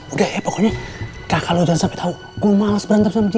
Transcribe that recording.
udah ya pokoknya kakak lo jangan sampai tau gue males berantem sama dia ya